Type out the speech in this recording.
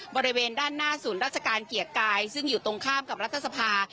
บริเวณด้านหน้าศูนย์ราชการเกียรติกายซึ่งอยู่ตรงข้ามกับรัฐสภา